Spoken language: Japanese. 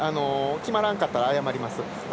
決まらんかったら謝ります。